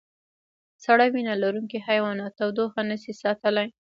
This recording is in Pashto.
سړه وینه لرونکي حیوانات تودوخه نشي ساتلی